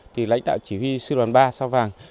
thì lãnh đạo chỉ huy sư đoàn ba sao vàng